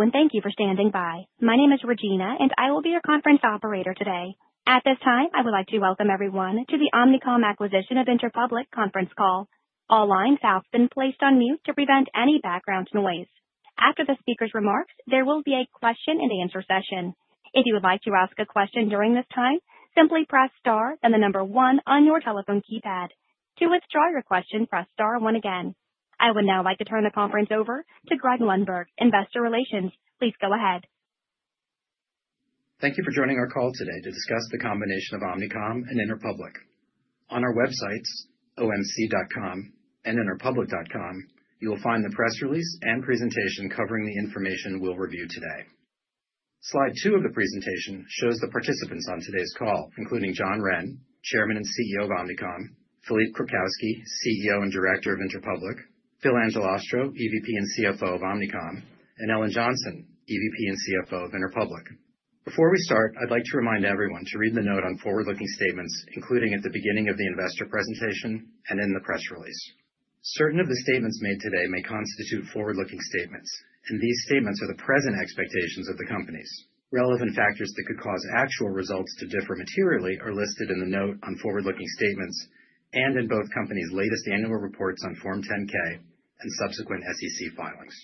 Hello, thank you for standing by. My name is Regina, and I will be your conference operator today. At this time, I would like to welcome everyone to the Omnicom Acquisition of Interpublic Conference Call. All lines have been placed on mute to prevent any background noise. After the speaker's remarks, there will be a question-and-answer session. If you would like to ask a question during this time, simply press star, then the number one on your telephone keypad. To withdraw your question, press star one again. I would now like to turn the conference over to Greg Lundberg, Investor Relations. Please go ahead. Thank you for joining our call today to discuss the combination of Omnicom and Interpublic. On our websites, OMC.com and Interpublic.com, you will find the press release and presentation covering the information we'll review today. Slide two of the presentation shows the participants on today's call, including John Wren, Chairman and CEO of Omnicom, Philippe Krakowsky, CEO and Director of Interpublic, Phil Angelastro, EVP and CFO of Omnicom, and Ellen Johnson, EVP and CFO of Interpublic. Before we start, I'd like to remind everyone to read the note on forward-looking statements, including at the beginning of the investor presentation and in the press release. Certain of the statements made today may constitute forward-looking statements, and these statements are the present expectations of the companies. Relevant factors that could cause actual results to differ materially are listed in the note on forward-looking statements and in both companies' latest annual reports on Form 10-K and subsequent SEC filings.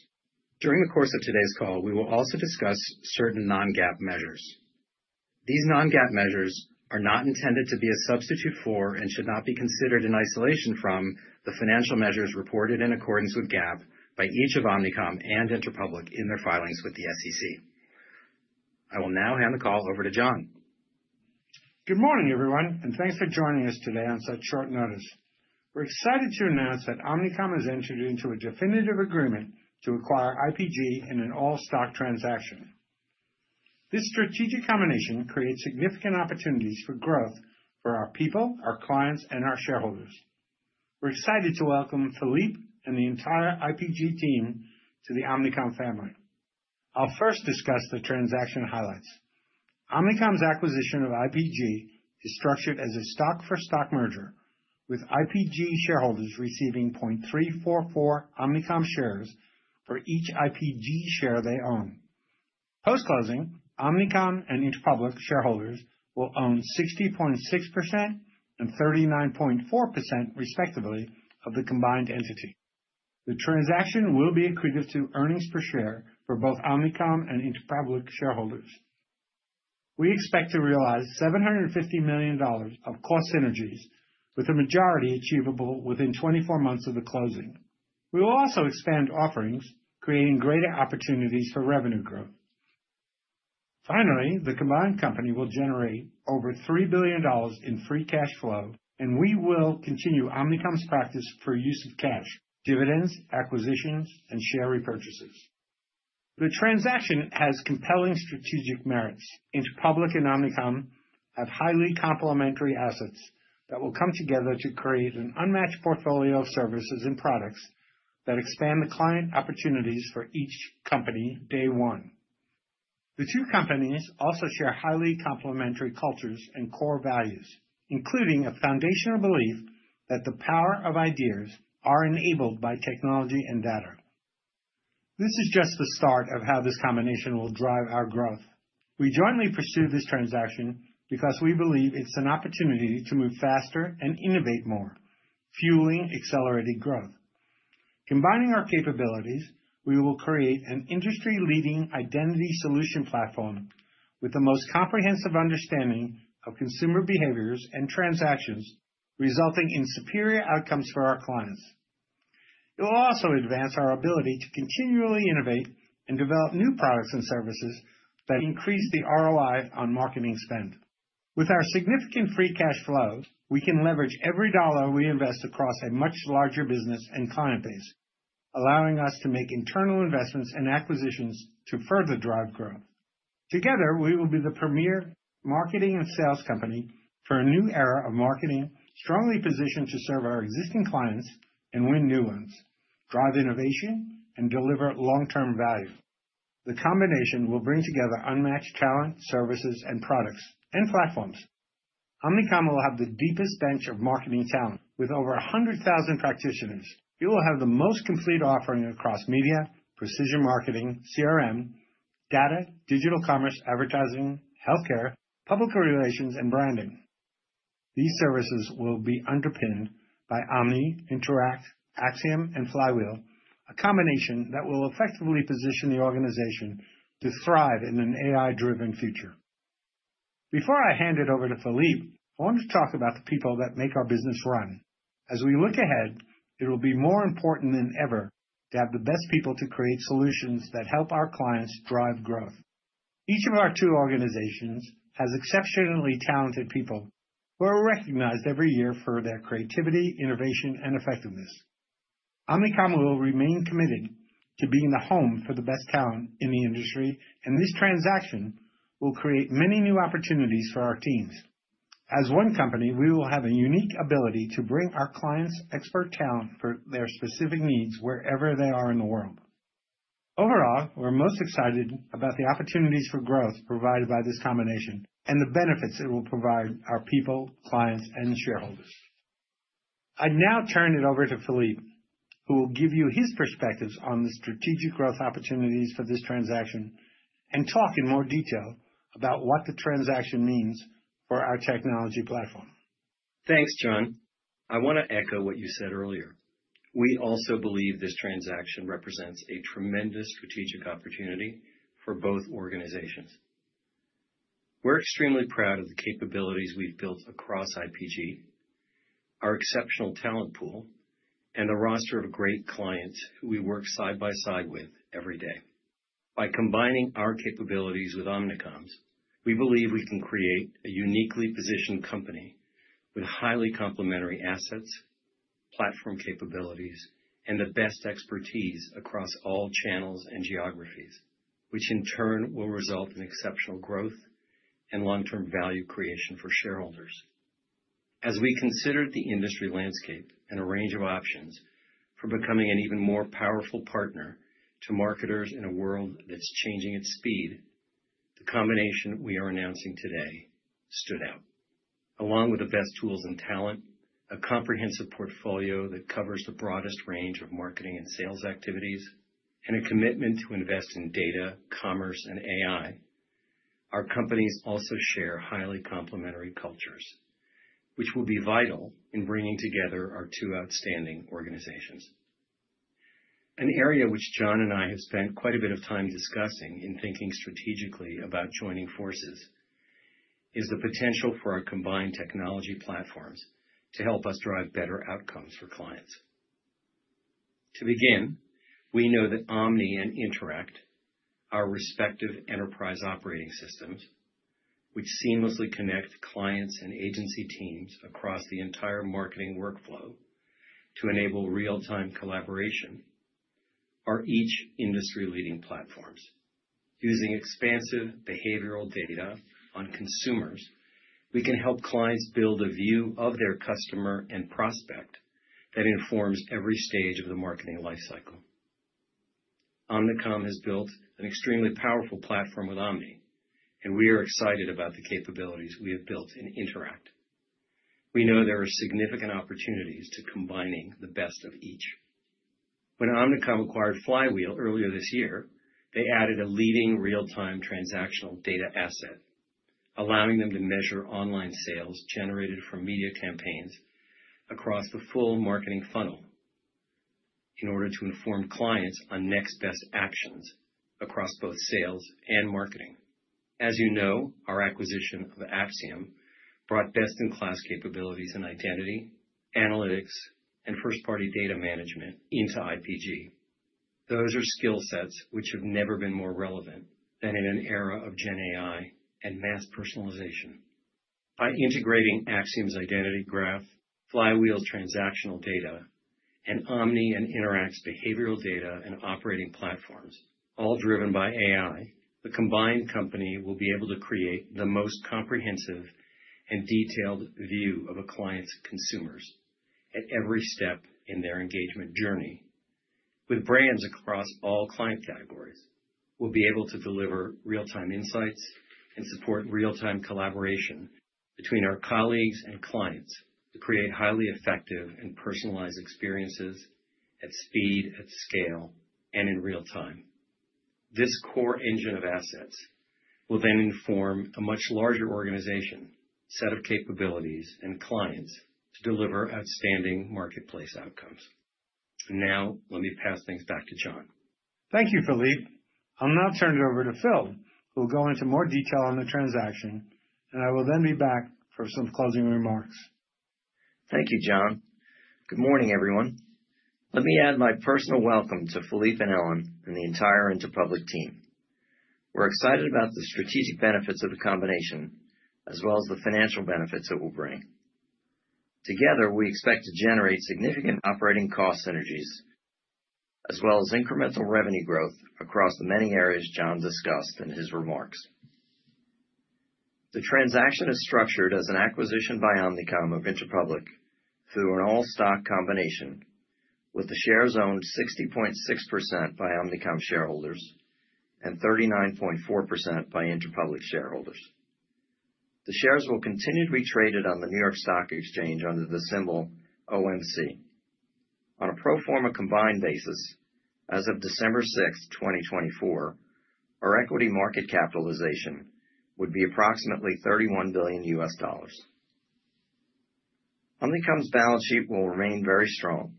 During the course of today's call, we will also discuss certain non-GAAP measures. These non-GAAP measures are not intended to be a substitute for and should not be considered in isolation from the financial measures reported in accordance with GAAP by each of Omnicom and Interpublic in their filings with the SEC. I will now hand the call over to John. Good morning, everyone, and thanks for joining us today on such short notice. We're excited to announce that Omnicom has entered into a definitive agreement to acquire IPG in an all-stock transaction. This strategic combination creates significant opportunities for growth for our people, our clients, and our shareholders. We're excited to welcome Philippe and the entire IPG team to the Omnicom family. I'll first discuss the transaction highlights. Omnicom's acquisition of IPG is structured as a stock-for-stock merger, with IPG shareholders receiving 0.344 Omnicom shares for each IPG share they own. Post-closing, Omnicom and Interpublic shareholders will own 60.6% and 39.4%, respectively, of the combined entity. The transaction will be accretive to earnings per share for both Omnicom and Interpublic shareholders. We expect to realize $750 million of cost synergies, with a majority achievable within 24 months of the closing. We will also expand offerings, creating greater opportunities for revenue growth. Finally, the combined company will generate over $3 billion in free cash flow, and we will continue Omnicom's practice for use of cash, dividends, acquisitions, and share repurchases. The transaction has compelling strategic merits. Interpublic and Omnicom have highly complementary assets that will come together to create an unmatched portfolio of services and products that expand the client opportunities for each company day one. The two companies also share highly complementary cultures and core values, including a foundational belief that the power of ideas is enabled by technology and data. This is just the start of how this combination will drive our growth. We jointly pursue this transaction because we believe it's an opportunity to move faster and innovate more, fueling accelerated growth. Combining our capabilities, we will create an industry-leading identity solution platform with the most comprehensive understanding of consumer behaviors and transactions, resulting in superior outcomes for our clients. It will also advance our ability to continually innovate and develop new products and services that increase the ROI on marketing spend. With our significant free cash flow, we can leverage every dollar we invest across a much larger business and client base, allowing us to make internal investments and acquisitions to further drive growth. Together, we will be the premier marketing and sales company for a new era of marketing, strongly positioned to serve our existing clients and win new ones, drive innovation, and deliver long-term value. The combination will bring together unmatched talent, services, and products and platforms. Omnicom will have the deepest bench of marketing talent with over 100,000 practitioners. It will have the most complete offering across media, precision marketing, CRM, data, digital commerce, advertising, healthcare, public relations, and branding. These services will be underpinned by Omni, Interact, Acxiom, and Flywheel, a combination that will effectively position the organization to thrive in an AI-driven future. Before I hand it over to Philippe, I want to talk about the people that make our business run. As we look ahead, it will be more important than ever to have the best people to create solutions that help our clients drive growth. Each of our two organizations has exceptionally talented people who are recognized every year for their creativity, innovation, and effectiveness. Omnicom will remain committed to being the home for the best talent in the industry, and this transaction will create many new opportunities for our teams. As one company, we will have a unique ability to bring our clients' expert talent for their specific needs wherever they are in the world. Overall, we're most excited about the opportunities for growth provided by this combination and the benefits it will provide our people, clients, and shareholders. I'd now turn it over to Philippe, who will give you his perspectives on the strategic growth opportunities for this transaction and talk in more detail about what the transaction means for our technology platform. Thanks, John. I want to echo what you said earlier. We also believe this transaction represents a tremendous strategic opportunity for both organizations. We're extremely proud of the capabilities we've built across IPG, our exceptional talent pool, and the roster of great clients who we work side by side with every day. By combining our capabilities with Omnicom's, we believe we can create a uniquely positioned company with highly complementary assets, platform capabilities, and the best expertise across all channels and geographies, which in turn will result in exceptional growth and long-term value creation for shareholders. As we considered the industry landscape and a range of options for becoming an even more powerful partner to marketers in a world that's changing at speed, the combination we are announcing today stood out. Along with the best tools and talent, a comprehensive portfolio that covers the broadest range of marketing and sales activities, and a commitment to invest in data, commerce, and AI, our companies also share highly complementary cultures, which will be vital in bringing together our two outstanding organizations. An area which John and I have spent quite a bit of time discussing in thinking strategically about joining forces is the potential for our combined technology platforms to help us drive better outcomes for clients. To begin, we know that Omni and Interact, our respective enterprise operating systems, which seamlessly connect clients and agency teams across the entire marketing workflow to enable real-time collaboration, are each industry-leading platforms. Using expansive behavioral data on consumers, we can help clients build a view of their customer and prospect that informs every stage of the marketing life cycle. Omnicom has built an extremely powerful platform with Omni, and we are excited about the capabilities we have built in Interact. We know there are significant opportunities to combining the best of each. When Omnicom acquired Flywheel earlier this year, they added a leading real-time transactional data asset, allowing them to measure online sales generated from media campaigns across the full marketing funnel in order to inform clients on next best actions across both sales and marketing. As you know, our acquisition of Acxiom brought best-in-class capabilities in identity, analytics, and first-party data management into IPG. Those are skill sets which have never been more relevant than in an era of GenAI and mass personalization. By integrating Acxiom's identity graph, Flywheel's transactional data, and Omni and Interact's behavioral data and operating platforms, all driven by AI, the combined company will be able to create the most comprehensive and detailed view of a client's consumers at every step in their engagement journey. With brands across all client categories, we'll be able to deliver real-time insights and support real-time collaboration between our colleagues and clients to create highly effective and personalized experiences at speed, at scale, and in real time. This core engine of assets will then inform a much larger organization, set of capabilities, and clients to deliver outstanding marketplace outcomes, and now, let me pass things back to John. Thank you, Philippe. I'll now turn it over to Phil, who will go into more detail on the transaction, and I will then be back for some closing remarks. Thank you, John. Good morning, everyone. Let me add my personal welcome to Philippe and Ellen and the entire Interpublic team. We're excited about the strategic benefits of the combination, as well as the financial benefits it will bring. Together, we expect to generate significant operating cost synergies, as well as incremental revenue growth across the many areas John discussed in his remarks. The transaction is structured as an acquisition by Omnicom of Interpublic through an all-stock combination, with the shares owned 60.6% by Omnicom shareholders and 39.4% by Interpublic shareholders. The shares will continue to be traded on the New York Stock Exchange under the symbol OMC. On a pro forma combined basis, as of December 6, 2024, our equity market capitalization would be approximately $31 billion. Omnicom's balance sheet will remain very strong.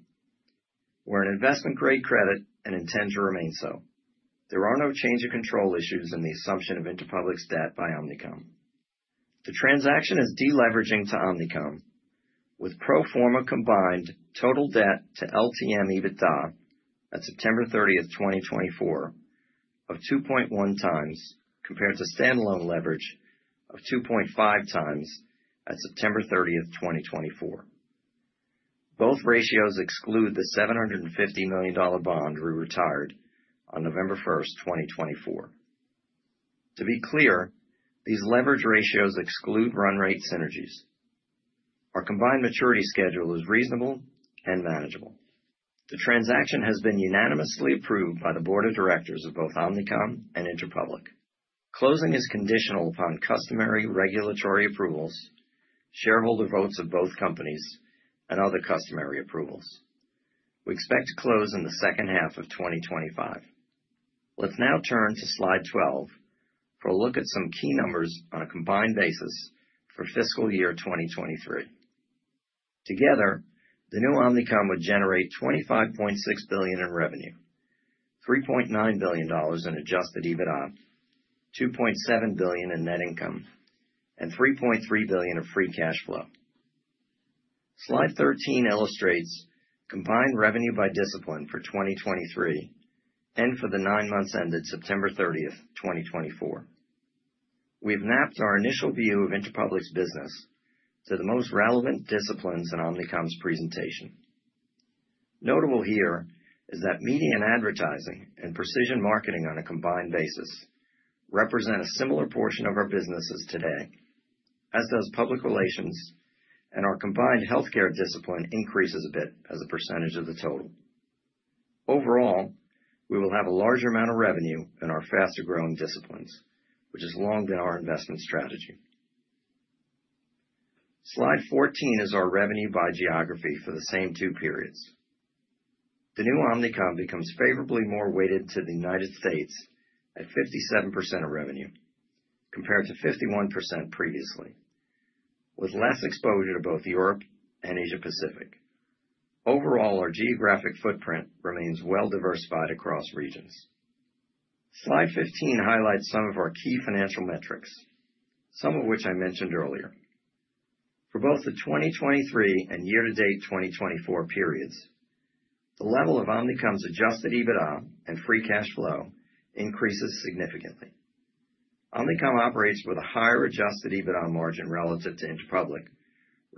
We're an investment-grade credit and intend to remain so. There are no change of control issues in the assumption of Interpublic's debt by Omnicom. The transaction is deleveraging to Omnicom, with pro forma combined total debt to LTM EBITDA at September 30, 2024, of 2.1 times compared to standalone leverage of 2.5 times at September 30, 2024. Both ratios exclude the $750 million bond we retired on November 1, 2024. To be clear, these leverage ratios exclude run rate synergies. Our combined maturity schedule is reasonable and manageable. The transaction has been unanimously approved by the board of directors of both Omnicom and Interpublic. Closing is conditional upon customary regulatory approvals, shareholder votes of both companies, and other customary approvals. We expect to close in the second half of 2025. Let's now turn to slide 12 for a look at some key numbers on a combined basis for fiscal year 2023. Together, the new Omnicom would generate $25.6 billion in revenue, $3.9 billion in Adjusted EBITDA, $2.7 billion in net income, and $3.3 billion of free cash flow. Slide 13 illustrates combined revenue by discipline for 2023 and for the nine months ended September 30, 2024. We've mapped our initial view of Interpublic's business to the most relevant disciplines in Omnicom's presentation. Notable here is that media and advertising and precision marketing on a combined basis represent a similar portion of our businesses today, as does public relations, and our combined healthcare discipline increases a bit as a percentage of the total. Overall, we will have a larger amount of revenue in our faster-growing disciplines, which has long been our investment strategy. Slide 14 is our revenue by geography for the same two periods. The new Omnicom becomes favorably more weighted to the United States at 57% of revenue compared to 51% previously, with less exposure to both Europe and Asia-Pacific. Overall, our geographic footprint remains well-diversified across regions. Slide 15 highlights some of our key financial metrics, some of which I mentioned earlier. For both the 2023 and year-to-date 2024 periods, the level of Omnicom's Adjusted EBITDA and free cash flow increases significantly. Omnicom operates with a higher Adjusted EBITDA margin relative to Interpublic,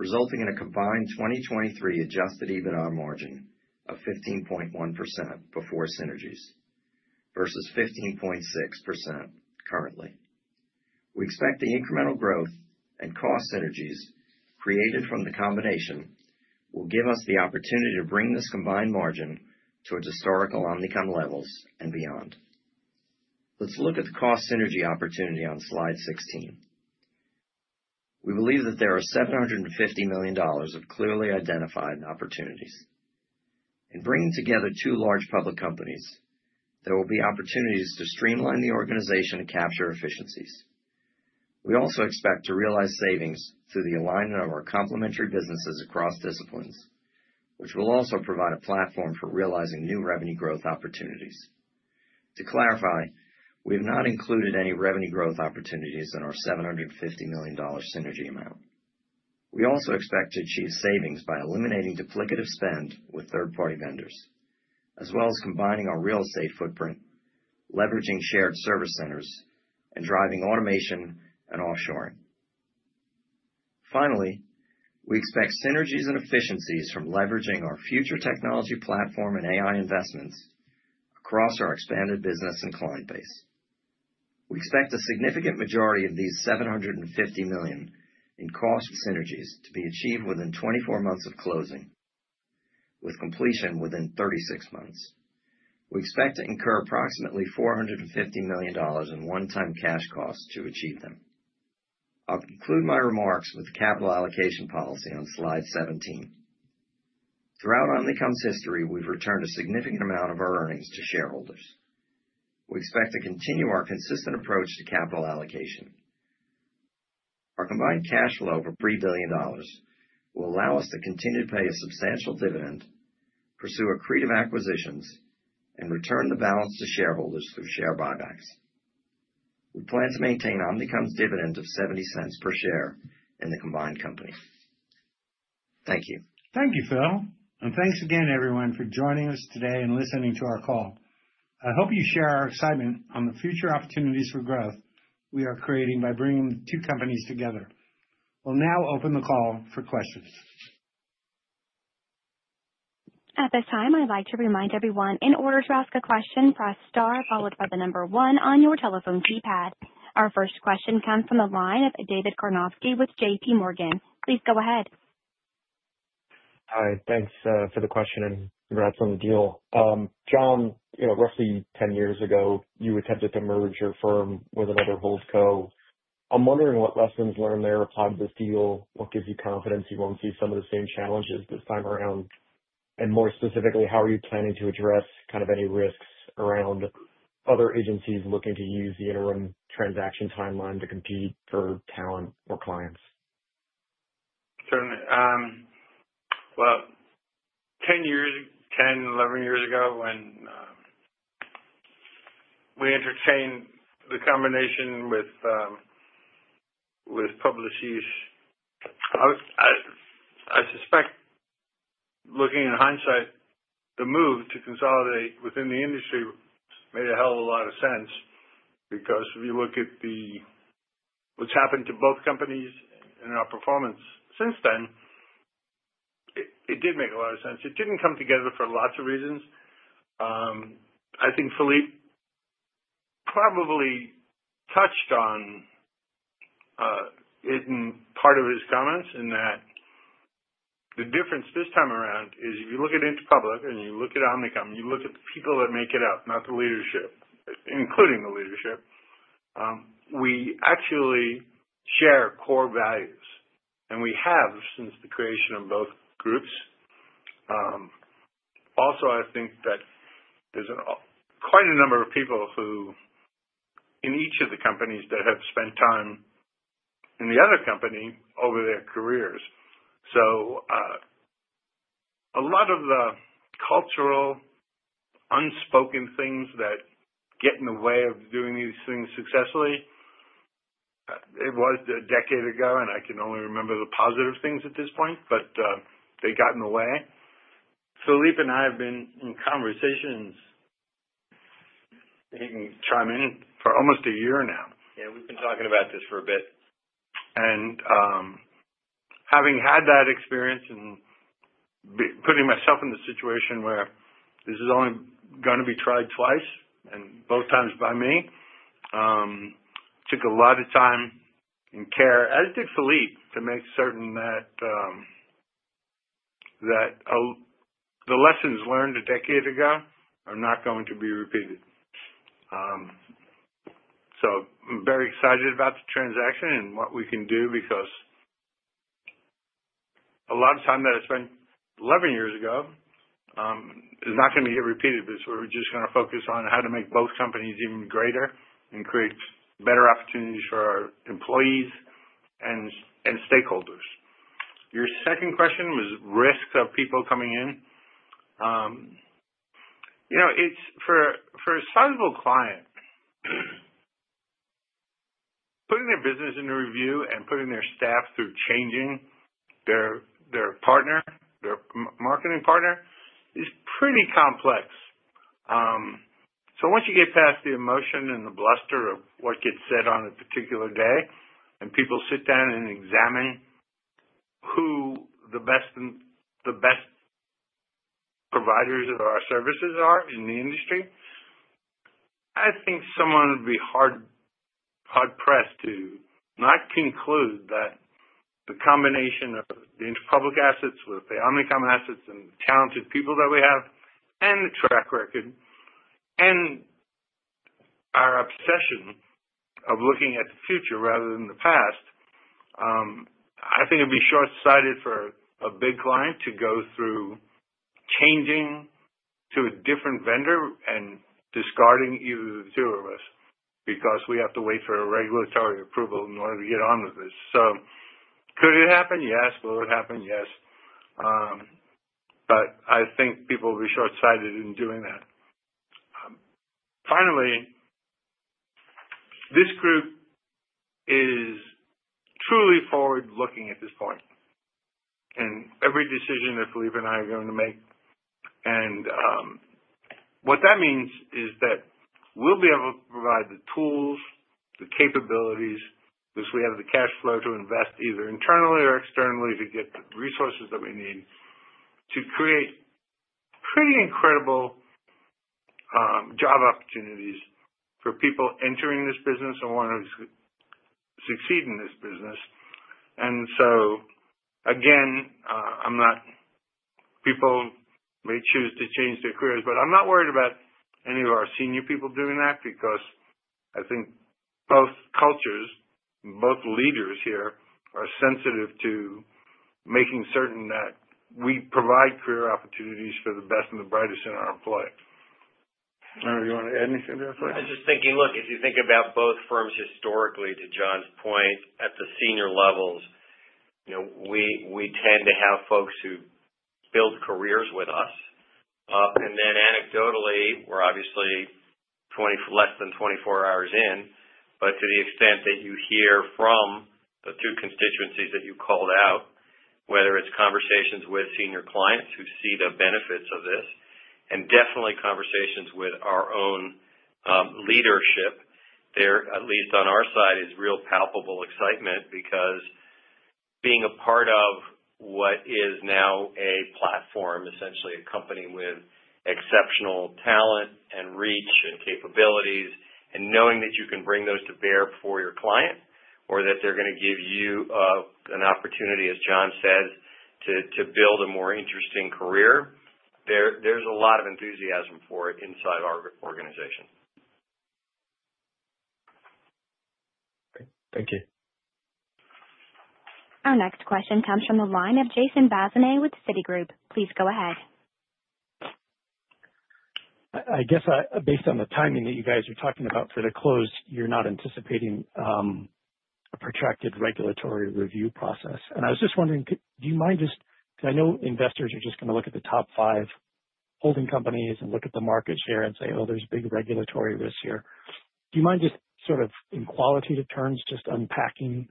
resulting in a combined 2023 Adjusted EBITDA margin of 15.1% before synergies versus 15.6% currently. We expect the incremental growth and cost synergies created from the combination will give us the opportunity to bring this combined margin to its historical Omnicom levels and beyond. Let's look at the cost synergy opportunity on slide 16. We believe that there are $750 million of clearly identified opportunities. In bringing together two large public companies, there will be opportunities to streamline the organization and capture efficiencies. We also expect to realize savings through the alignment of our complementary businesses across disciplines, which will also provide a platform for realizing new revenue growth opportunities. To clarify, we have not included any revenue growth opportunities in our $750 million synergy amount. We also expect to achieve savings by eliminating duplicative spend with third-party vendors, as well as combining our real estate footprint, leveraging shared service centers, and driving automation and offshoring. Finally, we expect synergies and efficiencies from leveraging our future technology platform and AI investments across our expanded business and client base. We expect a significant majority of these $750 million in cost synergies to be achieved within 24 months of closing, with completion within 36 months. We expect to incur approximately $450 million in one-time cash costs to achieve them. I'll conclude my remarks with the capital allocation policy on slide 17. Throughout Omnicom's history, we've returned a significant amount of our earnings to shareholders. We expect to continue our consistent approach to capital allocation. Our combined cash flow of $3 billion will allow us to continue to pay a substantial dividend, pursue accretive acquisitions, and return the balance to shareholders through share buybacks. We plan to maintain Omnicom's dividend of $0.70 per share in the combined company. Thank you. Thank you, Phil, and thanks again, everyone, for joining us today and listening to our call. I hope you share our excitement on the future opportunities for growth we are creating by bringing the two companies together. We'll now open the call for questions. At this time, I'd like to remind everyone, in order to ask a question, press star, followed by the number one on your telephone keypad. Our first question comes from the line of David Karnovsky with JP Morgan. Please go ahead. Hi. Thanks for the question and congrats on the deal. John, roughly 10 years ago, you attempted to merge your firm with another hold co. I'm wondering what lessons learned there applied to this deal. What gives you confidence you won't see some of the same challenges this time around? And more specifically, how are you planning to address kind of any risks around other agencies looking to use the interim transaction timeline to compete for talent or clients? Certainly. Well, 10, 11 years ago, when we entertained the combination with Publicis, I suspect, looking in hindsight, the move to consolidate within the industry made a hell of a lot of sense because if you look at what's happened to both companies and our performance since then, it did make a lot of sense. It didn't come together for lots of reasons. I think Philippe probably touched on it in part of his comments in that the difference this time around is if you look at Interpublic and you look at Omnicom, you look at the people that make it up, not the leadership, including the leadership, we actually share core values. And we have since the creation of both groups. Also, I think that there's quite a number of people in each of the companies that have spent time in the other company over their careers. A lot of the cultural unspoken things that get in the way of doing these things successfully, it was a decade ago, and I can only remember the positive things at this point, but they got in the way. Philippe and I have been in conversations, he can chime in, for almost a year now. Yeah, we've been talking about this for a bit. Having had that experience and putting myself in the situation where this is only going to be tried twice, and both times by me, it took a lot of time and care, as did Philippe, to make certain that the lessons learned a decade ago are not going to be repeated. I'm very excited about the transaction and what we can do because a lot of time that I spent 11 years ago is not going to get repeated. We're just going to focus on how to make both companies even greater and create better opportunities for our employees and stakeholders. Your second question was risks of people coming in. For a sizable client, putting their business into review and putting their staff through changing their marketing partner is pretty complex. So once you get past the emotion and the bluster of what gets said on a particular day and people sit down and examine who the best providers of our services are in the industry, I think someone would be hard-pressed to not conclude that the combination of the Interpublic assets with the Omnicom assets and the talented people that we have and the track record and our obsession of looking at the future rather than the past. I think it would be short-sighted for a big client to go through changing to a different vendor and discarding either of the two of us because we have to wait for a regulatory approval in order to get on with this. So could it happen? Yes. Will it happen? Yes. But I think people will be short-sighted in doing that. Finally, this group is truly forward-looking at this point. Every decision that Philippe and I are going to make, and what that means is that we'll be able to provide the tools, the capabilities, because we have the cash flow to invest either internally or externally to get the resources that we need to create pretty incredible job opportunities for people entering this business and wanting to succeed in this business. So, again, people may choose to change their careers, but I'm not worried about any of our senior people doing that because I think both cultures and both leaders here are sensitive to making certain that we provide career opportunities for the best and the brightest in our employees. Do you want to add anything to that question? I was just thinking, look, if you think about both firms historically, to John's point, at the senior levels, we tend to have folks who build careers with us. And then anecdotally, we're obviously less than 24 hours in. But to the extent that you hear from the two constituencies that you called out, whether it's conversations with senior clients who see the benefits of this and definitely conversations with our own leadership, at least on our side, is real palpable excitement because being a part of what is now a platform, essentially a company with exceptional talent and reach and capabilities and knowing that you can bring those to bear for your client or that they're going to give you an opportunity, as John says, to build a more interesting career, there's a lot of enthusiasm for it inside our organization. Thank you. Our next question comes from the line of Jason Bazinet with Citigroup. Please go ahead. I guess based on the timing that you guys are talking about for the close, you're not anticipating a protracted regulatory review process. And I was just wondering, do you mind just, because I know investors are just going to look at the top five holding companies and look at the market share and say, "Oh, there's big regulatory risks here." Do you mind just sort of, in qualitative terms, just unpacking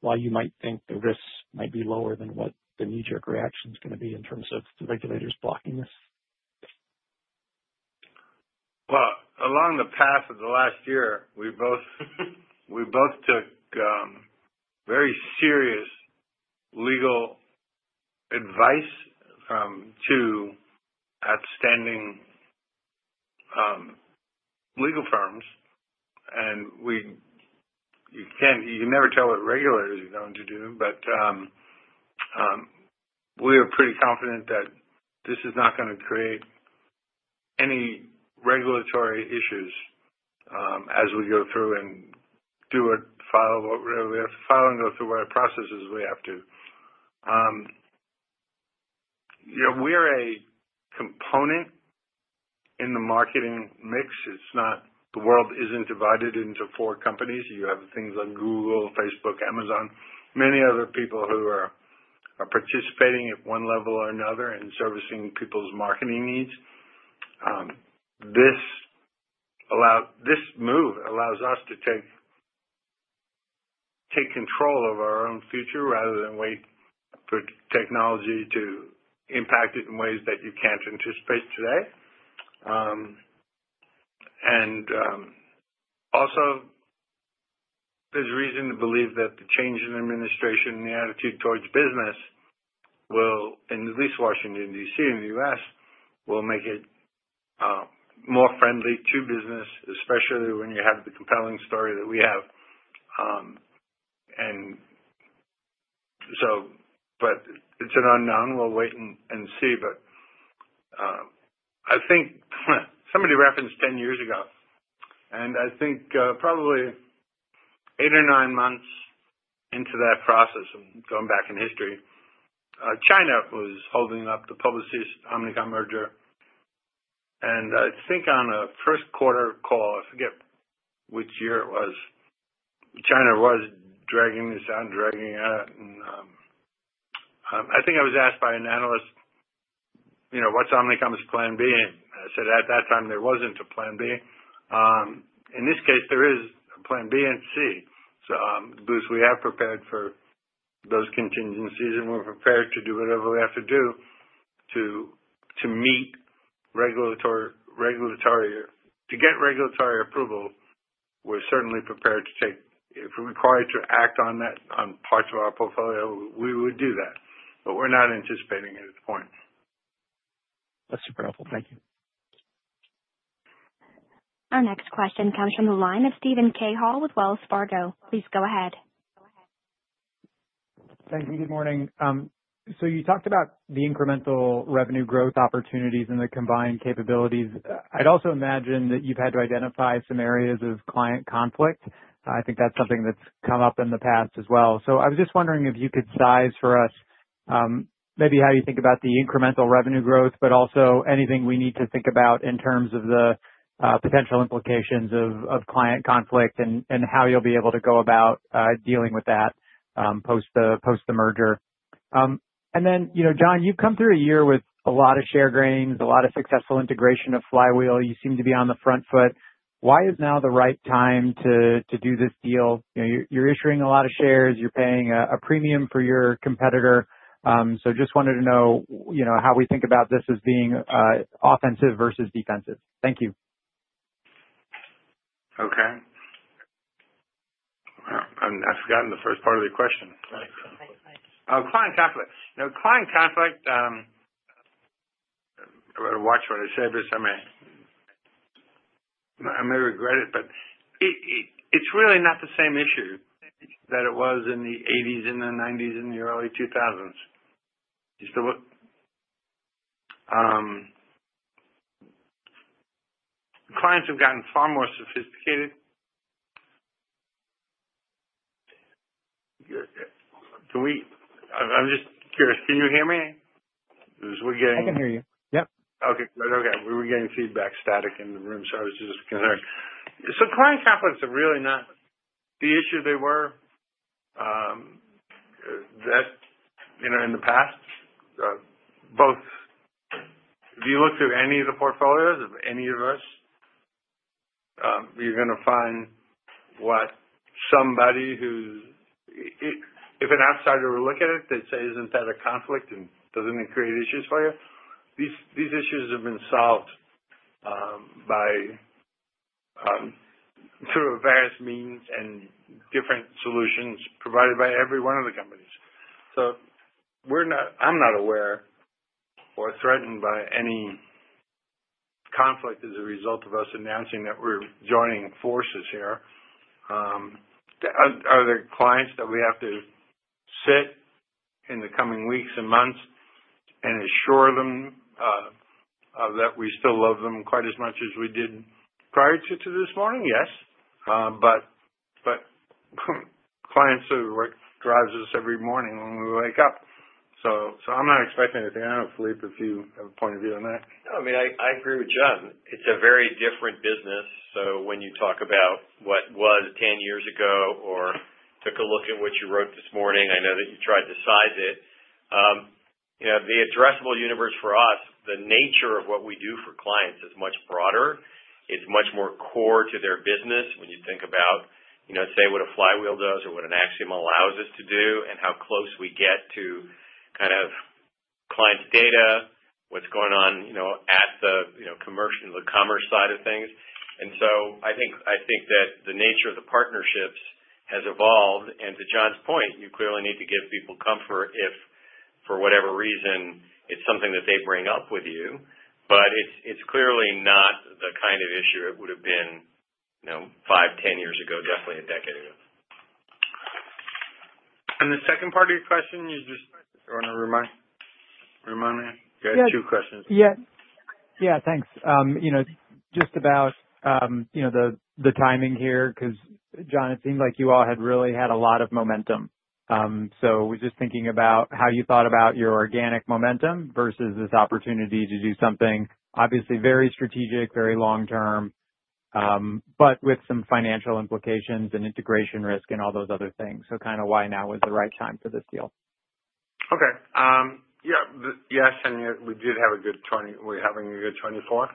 why you might think the risks might be lower than what the knee-jerk reaction is going to be in terms of the regulators blocking this? Along the path of the last year, we both took very serious legal advice to outstanding legal firms. You can never tell what regulators are going to do, but we are pretty confident that this is not going to create any regulatory issues as we go through and do a file of what we have to file and go through our processes we have to. We're a component in the marketing mix. The world isn't divided into four companies. You have things like Google, Facebook, Amazon, many other people who are participating at one level or another and servicing people's marketing needs. This move allows us to take control of our own future rather than wait for technology to impact it in ways that you can't anticipate today. And also, there's reason to believe that the change in administration and the attitude towards business, at least Washington, D.C., in the U.S., will make it more friendly to business, especially when you have the compelling story that we have. But it's an unknown. We'll wait and see. But I think somebody referenced 10 years ago, and I think probably eight or nine months into that process, I'm going back in history, China was holding up the Publicis Omnicom merger. And I think on a first-quarter call, I forget which year it was, China was dragging this out and dragging it out. And I think I was asked by an analyst, "What's Omnicom's plan B?" And I said, "At that time, there wasn't a plan B." In this case, there is a plan B and C. We have prepared for those contingencies, and we're prepared to do whatever we have to do to get regulatory approval. We're certainly prepared to take if we're required to act on parts of our portfolio. We would do that. But we're not anticipating it at this point. That's super helpful. Thank you. Our next question comes from the line of Steven Cahall with Wells Fargo. Please go ahead. Thank you. Good morning. You talked about the incremental revenue growth opportunities and the combined capabilities. I'd also imagine that you've had to identify some areas of client conflict. I think that's something that's come up in the past as well. I was just wondering if you could size for us maybe how you think about the incremental revenue growth, but also anything we need to think about in terms of the potential implications of client conflict and how you'll be able to go about dealing with that post the merger. John, you've come through a year with a lot of share gains, a lot of successful integration of Flywheel. You seem to be on the front foot. Why is now the right time to do this deal? You're issuing a lot of shares. You're paying a premium for your competitor. So just wanted to know how we think about this as being offensive versus defensive. Thank you. Okay. I've forgotten the first part of the question. Client conflict. I've got to watch what I say, but I may regret it, but it's really not the same issue that it was in the 1980s and the 1990s and the early 2000s. Clients have gotten far more sophisticated. I'm just curious. Can you hear me? Because we're getting. I can hear you. Yep. Okay. Good. Okay. We were getting feedback, static in the room, so I was just concerned, so client conflicts are really not the issue they were in the past. If you look through any of the portfolios of any of us, you're going to find that somebody who's—if an outsider would look at it, they'd say, "Isn't that a conflict? And doesn't it create issues for you?" These issues have been solved through various means and different solutions provided by every one of the companies, so I'm not aware of or threatened by any conflict as a result of us announcing that we're joining forces here. Are there clients that we have to sit down with in the coming weeks and months and assure them that we still love them quite as much as we did prior to this morning? Yes, but clients are what drives us every morning when we wake up. So I'm not expecting anything. I don't know, Philippe, if you have a point of view on that. No, I mean, I agree with John. It's a very different business. When you talk about what was 10 years ago or took a look at what you wrote this morning, I know that you tried to size it. The addressable universe for us, the nature of what we do for clients is much broader. It's much more core to their business when you think about, say, what a Flywheel does or what an Acxiom allows us to do and how close we get to kind of client's data, what's going on at the commerce side of things. And so I think that the nature of the partnerships has evolved. And to John's point, you clearly need to give people comfort if, for whatever reason, it's something that they bring up with you. But it's clearly not the kind of issue it would have been five, 10 years ago, definitely a decade ago. And the second part of your question is just, do you want to remind me? I've got two questions. Yeah. Thanks. Just about the timing here because, John, it seemed like you all really had a lot of momentum. So we're just thinking about how you thought about your organic momentum versus this opportunity to do something obviously very strategic, very long-term, but with some financial implications and integration risk and all those other things. So kind of why now was the right time for this deal? Okay. Yeah. Yes. We did have a good. We're having a good 2024.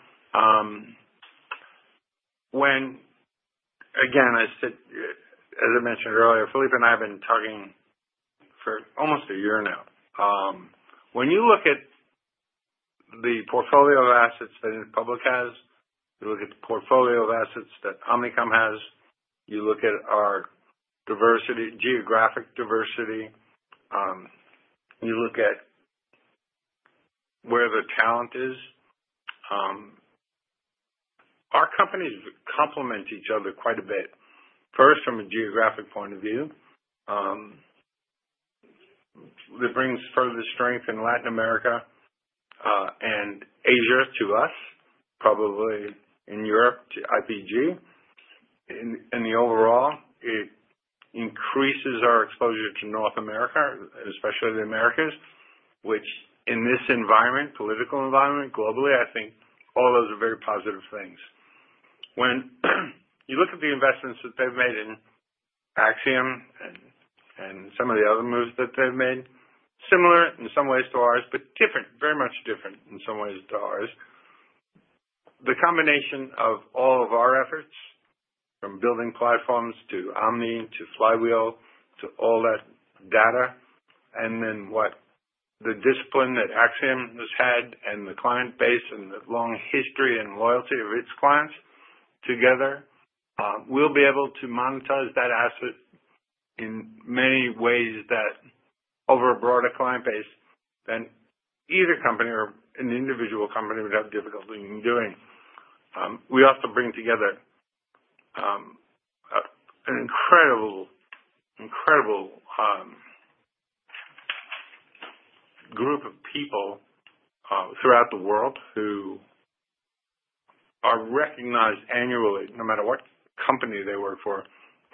Again, as I mentioned earlier, Philippe and I have been talking for almost a year now. When you look at the portfolio of assets that Interpublic has, you look at the portfolio of assets that Omnicom has, you look at our geographic diversity, you look at where the talent is. Our companies complement each other quite a bit, first from a geographic point of view. It brings further strength in Latin America and Asia to us, probably in Europe to IPG. And overall, it increases our exposure to North America, especially the Americas, which in this environment, political environment, globally, I think all those are very positive things. When you look at the investments that they've made in Acxiom and some of the other moves that they've made, similar in some ways to ours, but different, very much different in some ways to ours. The combination of all of our efforts from building platforms to Omni to Flywheel to all that data, and then the discipline that Acxiom has had and the client base and the long history and loyalty of its clients together, we'll be able to monetize that asset in many ways that over a broader client base than either company or an individual company would have difficulty in doing. We also bring together an incredible group of people throughout the world who are recognized annually, no matter what company they work for,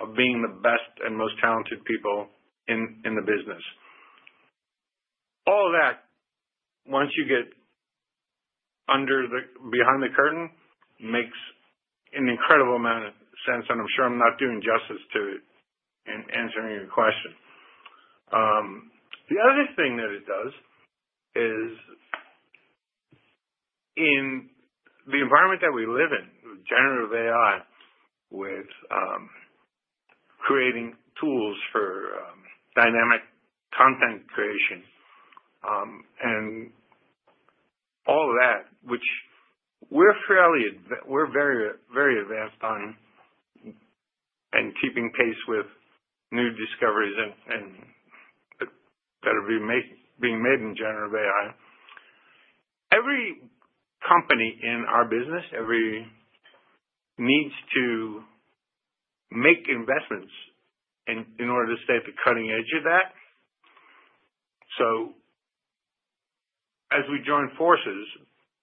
of being the best and most talented people in the business. All of that, once you get behind the curtain, makes an incredible amount of sense. And I'm sure I'm not doing justice to it in answering your question. The other thing that it does is, in the environment that we live in, with generative AI, with creating tools for dynamic content creation and all of that, which we're very advanced on and keeping pace with new discoveries that are being made in generative AI, every company in our business needs to make investments in order to stay at the cutting edge of that. So as we join forces,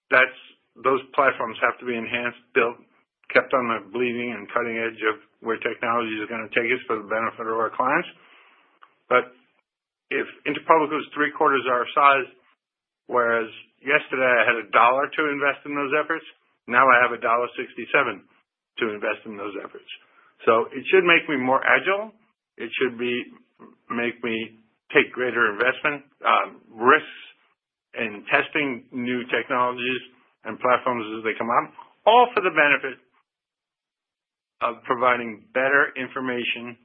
those platforms have to be enhanced, built, kept on the bleeding and cutting edge of where technology is going to take us for the benefit of our clients. But if Interpublic was three-quarters our size, whereas yesterday I had a dollar to invest in those efforts, now I have a dollar sixty-seven to invest in those efforts. So it should make me more agile. It should make me take greater investment risks in testing new technologies and platforms as they come up, all for the benefit of providing better information,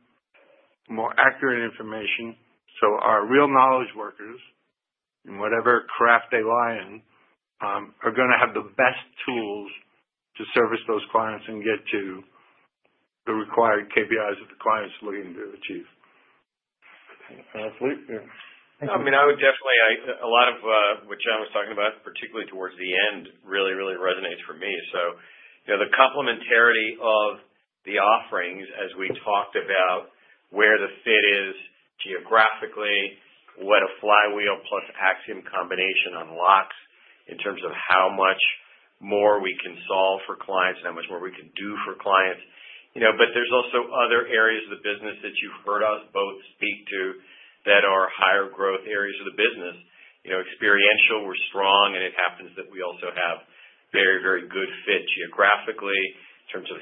more accurate information. So our real knowledge workers, in whatever craft they lie in, are going to have the best tools to service those clients and get to the required KPIs that the client is looking to achieve. And Philippe, yeah. I mean, I would definitely, a lot of what John was talking about, particularly towards the end, really, really resonates for me. So the complementarity of the offerings as we talked about where the fit is geographically, what a Flywheel plus Acxiom combination unlocks in terms of how much more we can solve for clients, how much more we can do for clients. But there's also other areas of the business that you've heard us both speak to that are higher growth areas of the business. Experiential, we're strong, and it happens that we also have very, very good fit geographically in terms of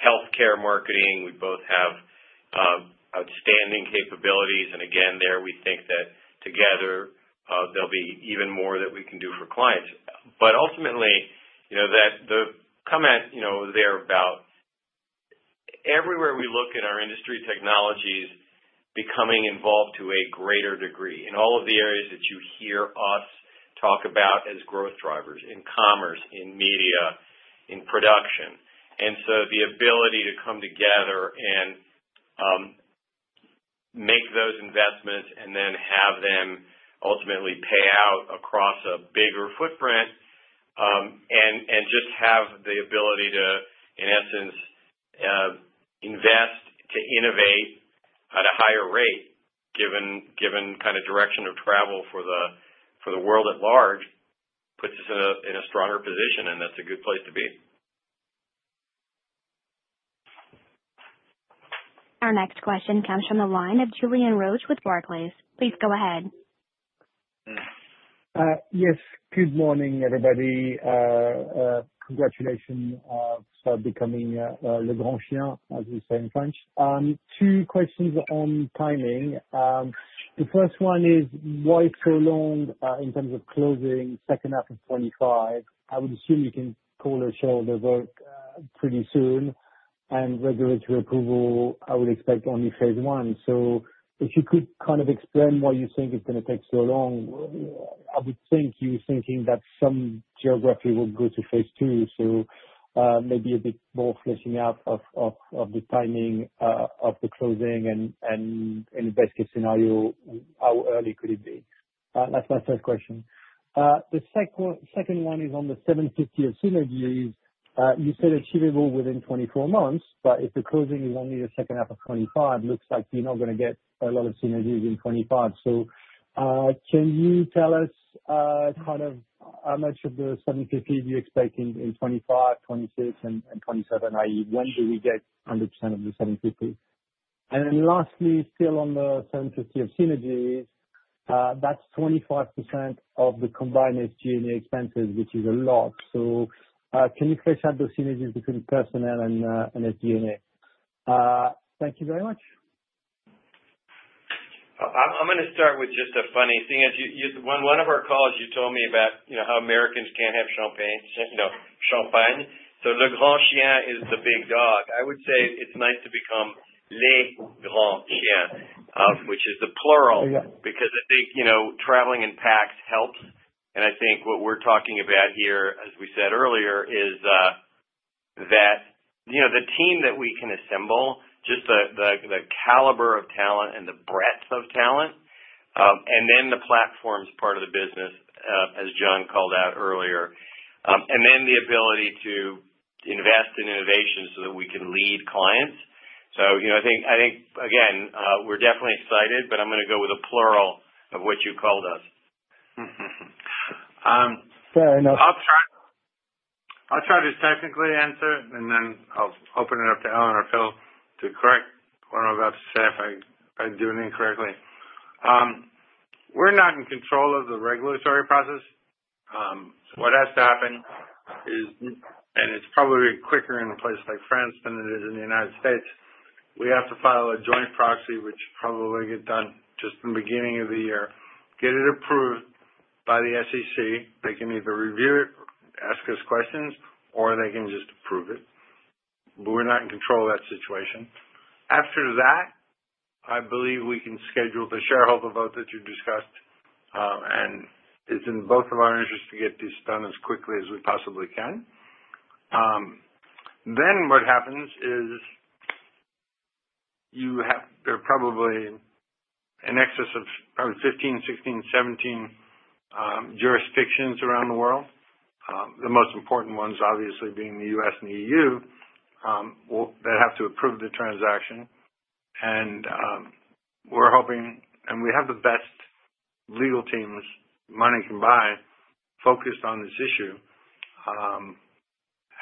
healthcare marketing. We both have outstanding capabilities. And again, there we think that together, there'll be even more that we can do for clients. But ultimately, the comment there about everywhere we look at our industry technologies becoming involved to a greater degree in all of the areas that you hear us talk about as growth drivers in commerce, in media, in production. And so the ability to come together and make those investments and then have them ultimately pay out across a bigger footprint and just have the ability to, in essence, invest to innovate at a higher rate, given kind of direction of travel for the world at large, puts us in a stronger position. And that's a good place to be. Our next question comes from the line of Julien Roch with Barclays. Please go ahead. Yes. Good morning, everybody. Congratulations for becoming Le Grand Chien, as we say in French. Two questions on timing. The first one is, why so long in terms of closing second half of 2025? I would assume you can call a shell of the work pretty soon. And regulatory approval, I would expect only phase one. So if you could kind of explain why you think it's going to take so long, I would think you're thinking that some geography will go to phase two. So maybe a bit more fleshing out of the timing of the closing and, in the best case scenario, how early could it be? That's my first question. The second one is on the 750 of synergies. You said achievable within 24 months, but if the closing is only the second half of 2025, looks like you're not going to get a lot of synergies in 2025. So can you tell us kind of how much of the 750 do you expect in 2025, 2026, and 2027? I mean, when do we get 100% of the 750? And then lastly, still on the 750 of synergies, that's 25% of the combined SG&A expenses, which is a lot. So can you flesh out the synergies between personnel and SG&A? Thank you very much. I'm going to start with just a funny thing. One of our calls, you told me about how Americans can't have champagne. So Le Grand Chien is the big dog. I would say it's nice to become Le Grand Chien, which is the plural, because I think traveling in packs helps. And I think what we're talking about here, as we said earlier, is that the team that we can assemble, just the caliber of talent and the breadth of talent, and then the platforms part of the business, as John called out earlier, and then the ability to invest in innovation so that we can lead clients. So I think, again, we're definitely excited, but I'm going to go with a plural of what you called us. Fair enough. I'll try to technically answer, and then I'll open it up to Ellen or Phil to correct what I'm about to say if I do anything correctly. We're not in control of the regulatory process. What has to happen is, and it's probably quicker in a place like France than it is in the United States, we have to file a joint proxy, which probably will get done just in the beginning of the year, get it approved by the SEC. They can either review it, ask us questions, or they can just approve it. We're not in control of that situation. After that, I believe we can schedule the shareholder vote that you discussed, and it's in both of our interests to get this done as quickly as we possibly can. Then what happens is you have probably an excess of probably 15, 16, 17 jurisdictions around the world, the most important ones obviously being the U.S. and the E.U., that have to approve the transaction. And we're hoping, and we have the best legal teams money can buy focused on this issue,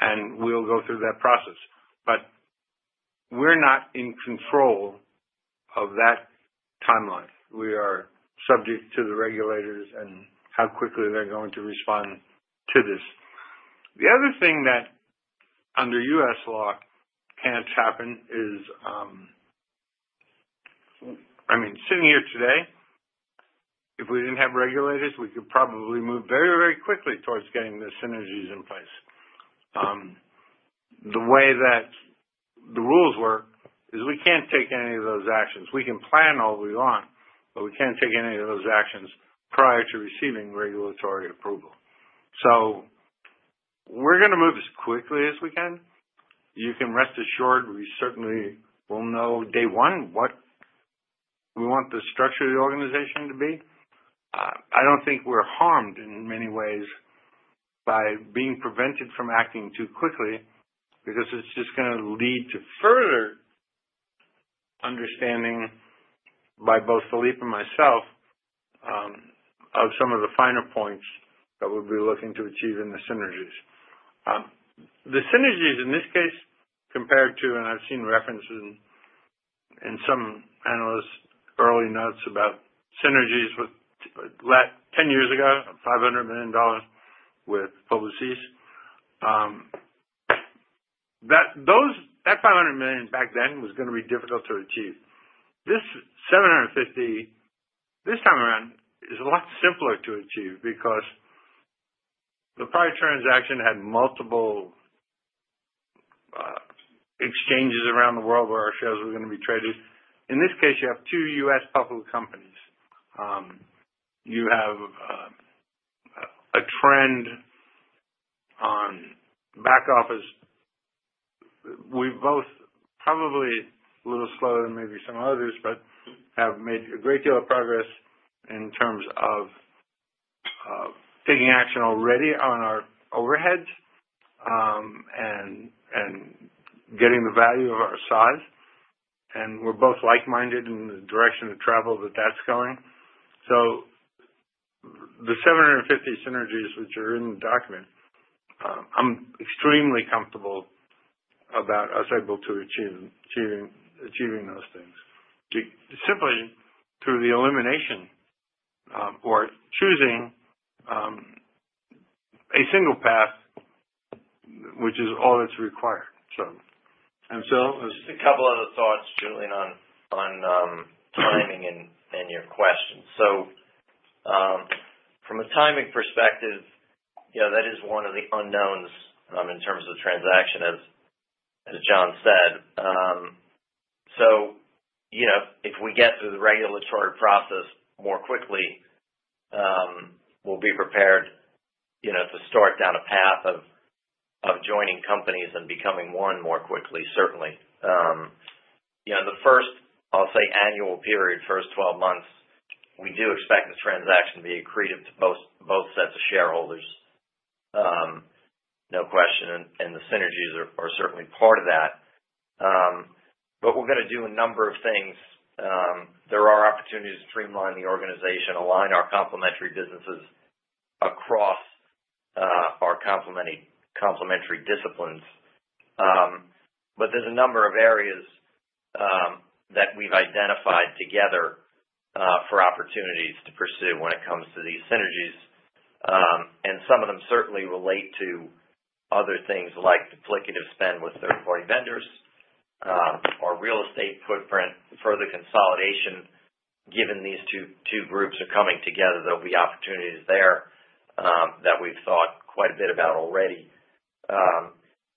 and we'll go through that process. But we're not in control of that timeline. We are subject to the regulators and how quickly they're going to respond to this. The other thing that under U.S. law can't happen is, I mean, sitting here today, if we didn't have regulators, we could probably move very, very quickly towards getting the synergies in place. The way that the rules work is we can't take any of those actions. We can plan all we want, but we can't take any of those actions prior to receiving regulatory approval. So we're going to move as quickly as we can. You can rest assured we certainly will know day one what we want the structure of the organization to be. I don't think we're harmed in many ways by being prevented from acting too quickly because it's just going to lead to further understanding by both Philippe and myself of some of the finer points that we'll be looking to achieve in the synergies. The synergies in this case compared to, and I've seen references in some analysts' early notes about synergies 10 years ago, $500 million with Publicis, that 500 million back then was going to be difficult to achieve. This time around is a lot simpler to achieve because the prior transaction had multiple exchanges around the world where our shares were going to be traded. In this case, you have two U.S. public companies. You have a trend on back office. We're both probably a little slower than maybe some others, but have made a great deal of progress in terms of taking action already on our overheads and getting the value of our size. And we're both like-minded in the direction of travel that that's going. So the 750 synergies which are in the document, I'm extremely comfortable about us able to achieve those things simply through the elimination or choosing a single path, which is all that's required, so. And Phil. Just a couple of thoughts, Julien, on timing and your questions. So from a timing perspective, that is one of the unknowns in terms of the transaction, as John said, so if we get through the regulatory process more quickly, we'll be prepared to start down a path of joining companies and becoming one more quickly, certainly. The first, I'll say, annual period, first 12 months, we do expect the transaction to be accretive to both sets of shareholders, no question, and the synergies are certainly part of that, but we're going to do a number of things. There are opportunities to streamline the organization, align our complementary businesses across our complementary disciplines, but there's a number of areas that we've identified together for opportunities to pursue when it comes to these synergies. Some of them certainly relate to other things like duplicative spend with third-party vendors or real estate footprint for the consolidation. Given these two groups are coming together, there'll be opportunities there that we've thought quite a bit about already.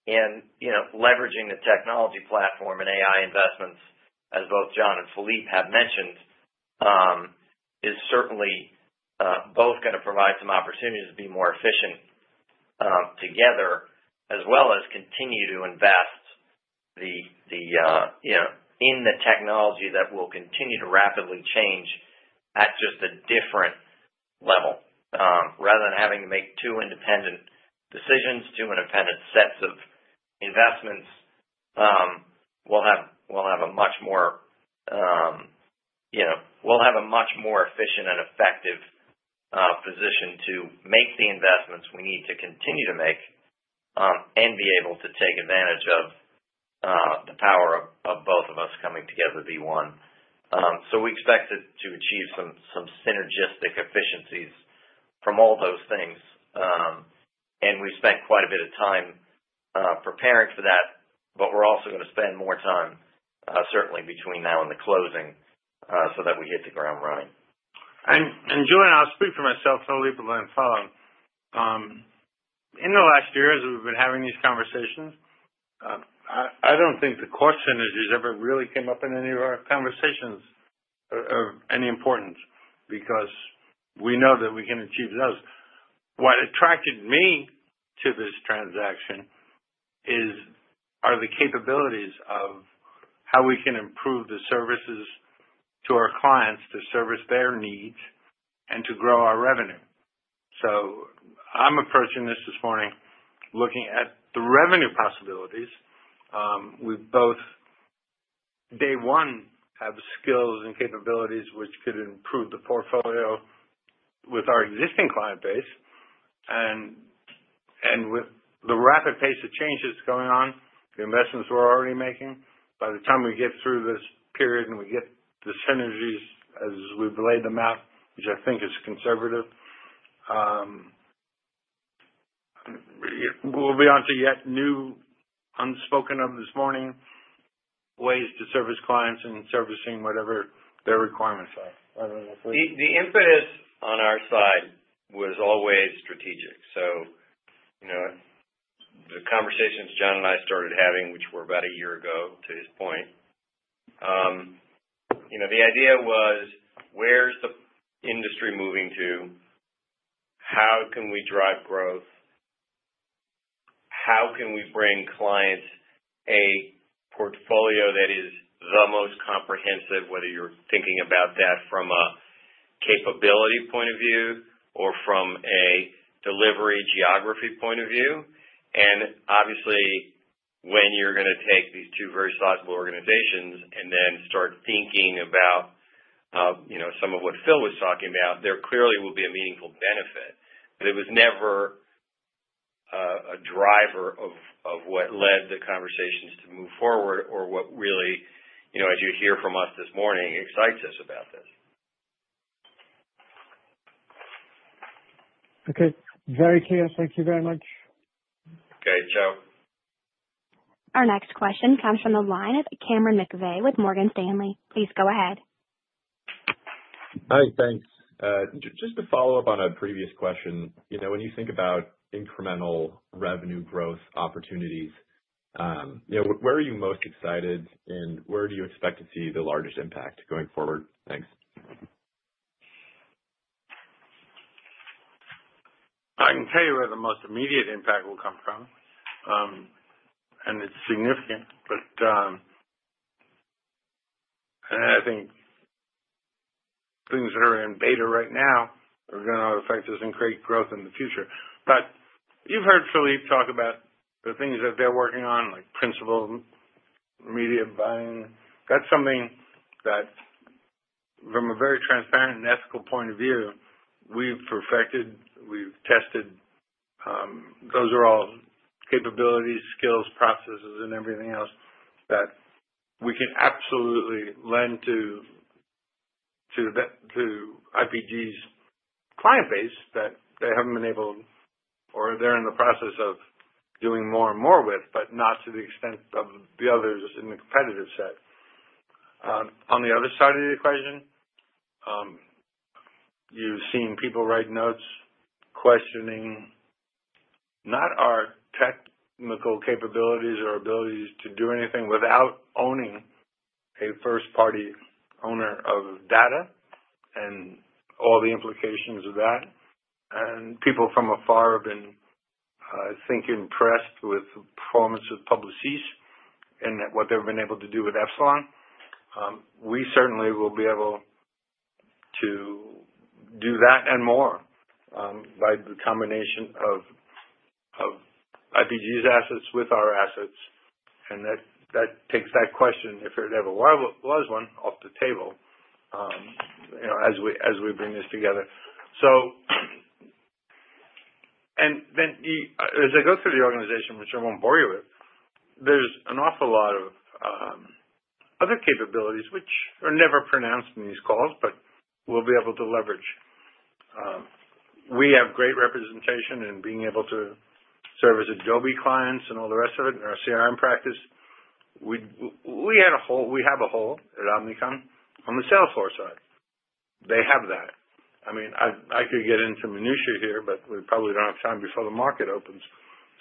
Leveraging the technology platform and AI investments, as both John and Philippe have mentioned, is certainly both going to provide some opportunities to be more efficient together, as well as continue to invest in the technology that will continue to rapidly change at just a different level. Rather than having to make two independent decisions, two independent sets of investments, we'll have a much more efficient and effective position to make the investments we need to continue to make and be able to take advantage of the power of both of us coming together to be one. So we expect to achieve some synergistic efficiencies from all those things. And we spent quite a bit of time preparing for that, but we're also going to spend more time, certainly between now and the closing, so that we hit the ground running. Julien, I'll speak for myself. Philippe will then follow. In the last year as we've been having these conversations, I don't think the question has ever really come up in any of our conversations of any importance because we know that we can achieve those. What attracted me to this transaction are the capabilities of how we can improve the services to our clients to service their needs and to grow our revenue. So I'm approaching this morning looking at the revenue possibilities. We both, day one, have skills and capabilities which could improve the portfolio with our existing client base. And with the rapid pace of changes going on, the investments we're already making, by the time we get through this period and we get the synergies as we've laid them out, which I think is conservative, we'll be onto yet new unspoken of this morning ways to service clients and servicing whatever their requirements are. I don't know if. The impetus on our side was always strategic. So the conversations John and I started having, which were about a year ago to this point, the idea was, where's the industry moving to? How can we drive growth? How can we bring clients a portfolio that is the most comprehensive, whether you're thinking about that from a capability point of view or from a delivery geography point of view? And obviously, when you're going to take these two very sizable organizations and then start thinking about some of what Phil was talking about, there clearly will be a meaningful benefit. But it was never a driver of what led the conversations to move forward or what really, as you hear from us this morning, excites us about this. Okay. Very clear. Thank you very much. Okay. Ciao. Our next question comes from the line of Cameron McVeigh with Morgan Stanley. Please go ahead. Hi. Thanks. Just to follow up on a previous question, when you think about incremental revenue growth opportunities, where are you most excited and where do you expect to see the largest impact going forward? Thanks. I can tell you where the most immediate impact will come from, and it's significant. But I think things that are in beta right now are going to affect us and create growth in the future. But you've heard Philippe talk about the things that they're working on, like principal media buying. That's something that, from a very transparent and ethical point of view, we've perfected, we've tested. Those are all capabilities, skills, processes, and everything else that we can absolutely lend to IPG's client base that they haven't been able, or they're in the process of doing more and more with, but not to the extent of the others in the competitive set. On the other side of the equation, you've seen people write notes questioning not our technical capabilities or abilities to do anything without owning first-party data and all the implications of that. People from afar have been impressed with the performance of Publicis and what they've been able to do with Epsilon. We certainly will be able to do that and more by the combination of IPG's assets with our assets. That takes that question, if it ever was one, off the table as we bring this together. Then as I go through the organization, which I won't bore you with, there's an awful lot of other capabilities which are never pronounced in these calls, but we'll be able to leverage. We have great representation in being able to service Adobe clients and all the rest of it in our CRM practice. We have a hole at Omnicom on the Salesforce side. They have that. I mean, I could get into minutiae here, but we probably don't have time before the market opens.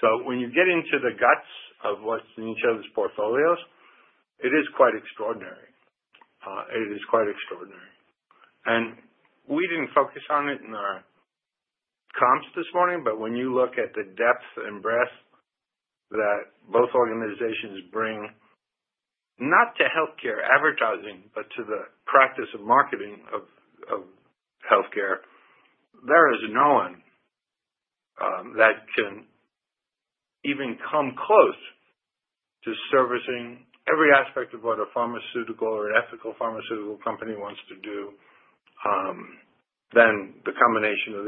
So when you get into the guts of what's in each other's portfolios, it is quite extraordinary. It is quite extraordinary. And we didn't focus on it in our comps this morning, but when you look at the depth and breadth that both organizations bring, not to healthcare advertising, but to the practice of marketing of healthcare, there is no one that can even come close to servicing every aspect of what a pharmaceutical or an ethical pharmaceutical company wants to do than the combination of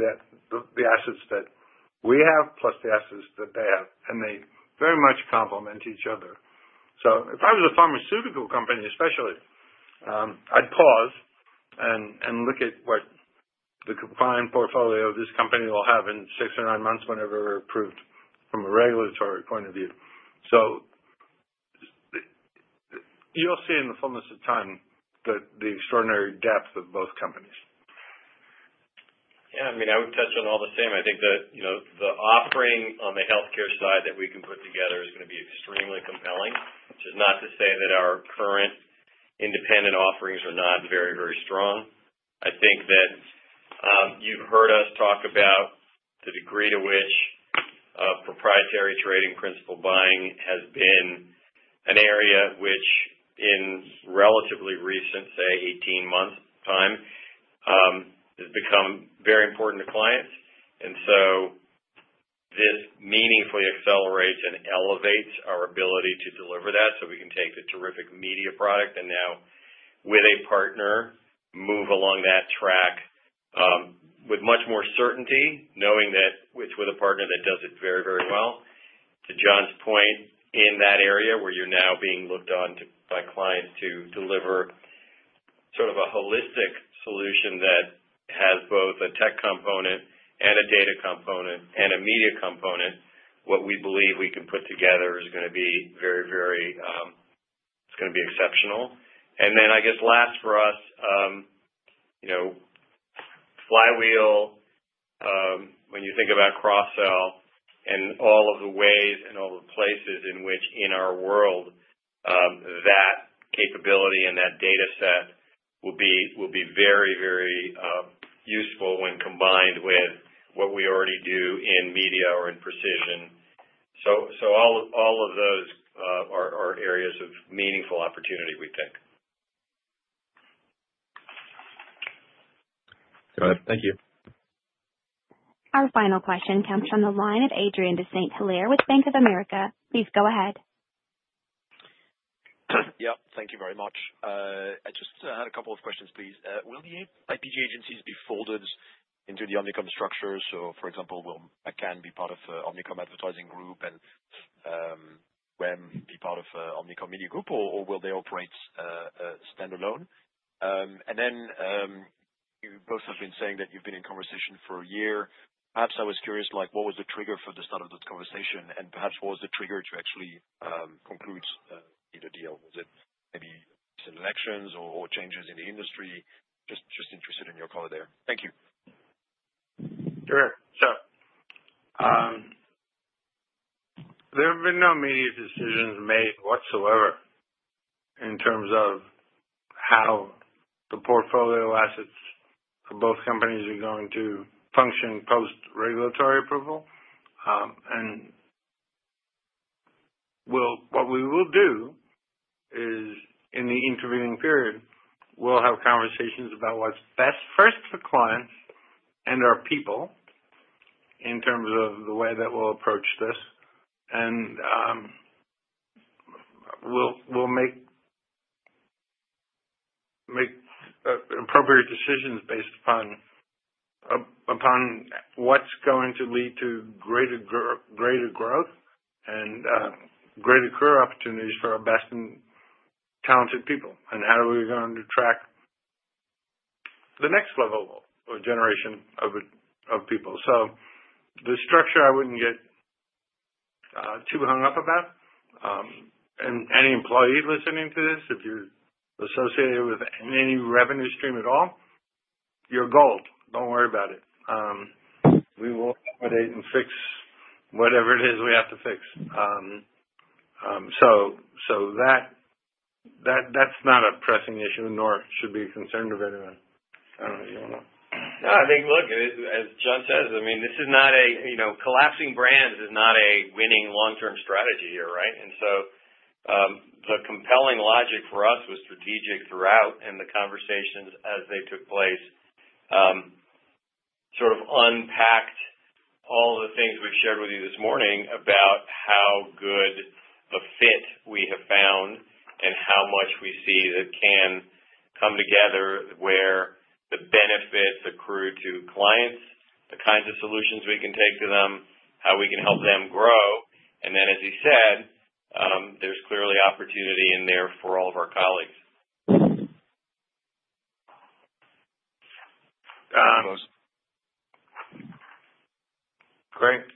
the assets that we have plus the assets that they have. And they very much complement each other. So if I was a pharmaceutical company, especially, I'd pause and look at what the combined portfolio of this company will have in six or nine months whenever we're approved from a regulatory point of view. So you'll see in the fullness of time the extraordinary depth of both companies. Yeah. I mean, I would touch on all the same. I think that the offering on the healthcare side that we can put together is going to be extremely compelling. Which is not to say that our current independent offerings are not very, very strong. I think that you've heard us talk about the degree to which proprietary trading principal buying has been an area which, in relatively recent, say, 18 months' time, has become very important to clients. And so this meaningfully accelerates and elevates our ability to deliver that so we can take the terrific media product and now, with a partner, move along that track with much more certainty, knowing that it's with a partner that does it very, very well. To John's point, in that area where you're now being looked on by clients to deliver sort of a holistic solution that has both a tech component and a data component and a media component, what we believe we can put together is going to be very, very, it's going to be exceptional. And then I guess last for us, Flywheel, when you think about cross-sell, and all of the ways and all the places in which, in our world, that capability and that data set will be very, very useful when combined with what we already do in media or in precision. So all of those are areas of meaningful opportunity, we think. Go ahead. Thank you. Our final question comes from the line of Adrien de Saint Hilaire with Bank of America. Please go ahead. Yep. Thank you very much. I just had a couple of questions, please. Will the IPG agencies be folded into the Omnicom structure? So, for example, will McCann be part of Omnicom Advertising Group and UM be part of Omnicom Media Group, or will they operate standalone? And then you both have been saying that you've been in conversation for a year. Perhaps I was curious, what was the trigger for the start of the conversation? And perhaps what was the trigger to actually conclude a deal? Was it maybe recent elections or changes in the industry? Just interested in your color there. Thank you. Sure. So there have been no media decisions made whatsoever in terms of how the portfolio assets of both companies are going to function post-regulatory approval. And what we will do is, in the intervening period, we'll have conversations about what's best first for clients and our people in terms of the way that we'll approach this. And we'll make appropriate decisions based upon what's going to lead to greater growth and greater career opportunities for our best and talented people. And how are we going to track the next level or generation of people? So the structure I wouldn't get too hung up about. And any employee listening to this, if you're associated with any revenue stream at all, you're gold. Don't worry about it. We will accommodate and fix whatever it is we have to fix. So that's not a pressing issue, nor should we be concerned about anyone. I don't know. No. I think, look, as John says, I mean, this is not a collapsing brand. It is not a winning long-term strategy here, right? And so the compelling logic for us was strategic throughout. And the conversations, as they took place, sort of unpacked all the things we've shared with you this morning about how good a fit we have found and how much we see that can come together where the benefits accrue to clients, the kinds of solutions we can take to them, how we can help them grow. And then, as he said, there's clearly opportunity in there for all of our colleagues. Thank you both. Great.